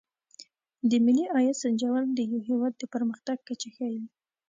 د ملي عاید سنجول د یو هېواد د پرمختګ کچه ښيي.